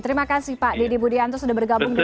terima kasih pak deddy budianto sudah bergabung dengan kami